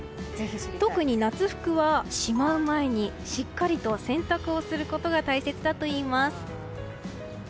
特に夏服は、しまう前にしっかりと洗濯をすることが大切だといいます。